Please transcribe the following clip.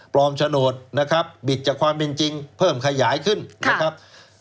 โฉนดนะครับบิดจากความเป็นจริงเพิ่มขยายขึ้นนะครับ